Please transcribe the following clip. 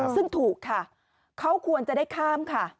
ซึ่งถูกค่ะเขาควรจะได้ข้ามค่ะ